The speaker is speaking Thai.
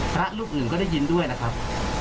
พระรูปอื่นก็ได้ยินด้วยนะครับ